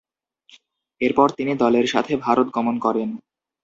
এরপর তিনি দলের সাথে ভারত গমন করেন।